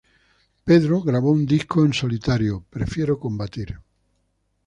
Pedro grabó un disco en solitario, "Prefiero combatir".